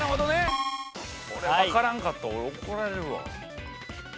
ピンポン分からんかったら俺怒られるわ。